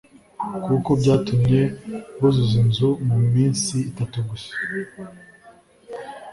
kuko byatumye buzuza inzu mu minsi itatu gusa